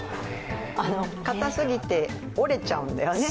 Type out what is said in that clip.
かたすぎて、折れちゃうんだよね